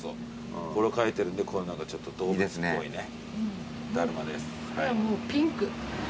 これを描いてるんでこの何かちょっと動物っぽいねだるまです。